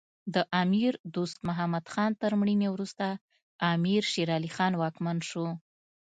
د امیر دوست محمد خان تر مړینې وروسته امیر شیر علی خان واکمن شو.